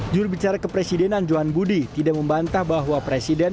jurubicara kepresidenan johan budi tidak membantah bahwa presiden